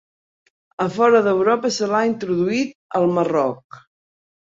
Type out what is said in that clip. A fora d'Europa se l'ha introduït al Marroc.